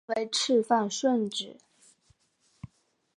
本名为赤坂顺子。